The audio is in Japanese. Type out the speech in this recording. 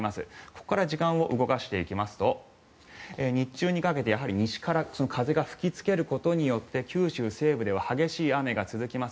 ここから時間を動かしていきますと日中にかけて西から風が吹きつけることによって九州西部では激しい雨が続きます。